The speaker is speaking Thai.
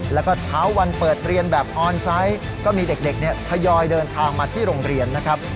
แล้วก็เช้าวันเปิดเรียนแบบออนไซต์ก็มีเด็กทยอยเดินทางมาที่โรงเรียนนะครับ